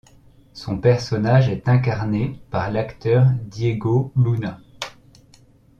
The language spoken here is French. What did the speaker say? Son personnage est incarné par l'acteur Diego Luna.